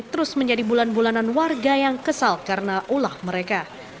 terus menjadi bulan bulanan warga yang kesal karena ulah mereka